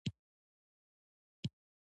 آیا بانکونه یې ډیر احتیاط نه کوي؟